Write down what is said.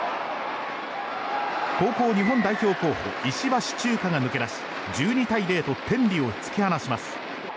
高校日本代表候補石橋チューカが抜け出し１２対０と天理を突き放します。